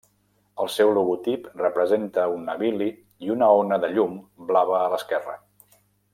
El seu logotip representa un navili i una ona de llum blava a l'esquerra.